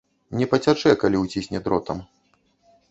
Не пацячэ, калі ўцісне дротам.